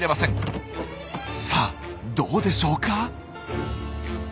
さあどうでしょうか？